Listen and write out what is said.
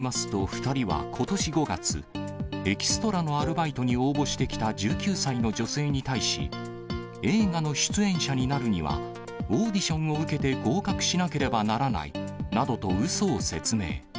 警察によりますと、２人はことし５月、エキストラのアルバイトに応募してきた１９歳の女性に対し、映画の出演者になるには、オーディションを受けて合格しなければならないなどとうそを説明。